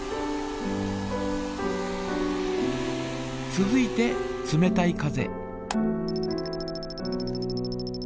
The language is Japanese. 続いて冷たい風。